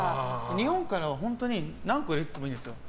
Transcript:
日本からは本当に何個入れててもいいんですよ。